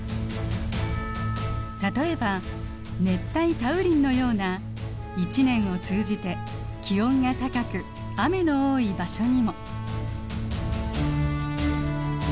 例えば熱帯多雨林のような一年を通じて気温が高く雨の多い場所にも。